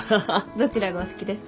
どちらがお好きですか？